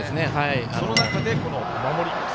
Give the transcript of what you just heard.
その中で守り。